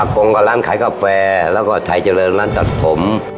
กงกับร้านขายกาแฟแล้วก็ไทยเจริญร้านตัดผม